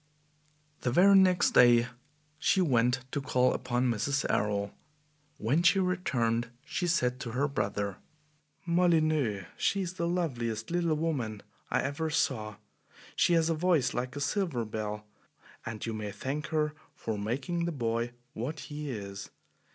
The very next day she went to call upon Mrs. Errol. When she returned, she said to her brother: "Molyneux, she is the loveliest little woman I ever saw! She has a voice like a silver bell, and you may thank her for making the boy what he is.